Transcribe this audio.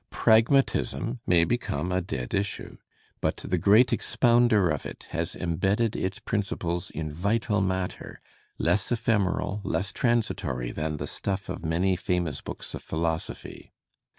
"Pragmatism" may become a dead issue. But the great expounder of it has embedded its principles in vital matter, less ephemeral, less transitory than the stuff of many famous books of philosophy.